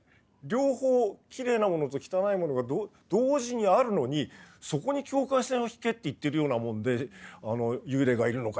両方きれいなものと汚いものが同時にあるのにそこに境界線を引けって言ってるようなもんで「幽霊がいるのかいないのか」